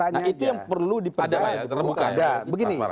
nah itu yang perlu dipadai